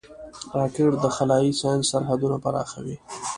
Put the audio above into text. راکټ د خلایي ساینس سرحدونه پراخوي